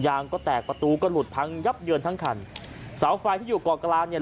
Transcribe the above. งก็แตกประตูก็หลุดพังยับเยินทั้งคันเสาไฟที่อยู่เกาะกลางเนี่ย